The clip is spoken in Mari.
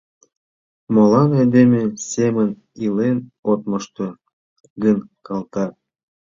Молан айдеме семын илен от мошто гын, калтак?